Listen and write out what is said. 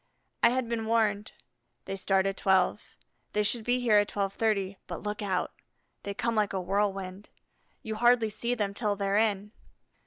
I had been warned: "They start at 12; they should be here at 12:30; but look out, they come like a whirlwind. You hardly see them till they're in."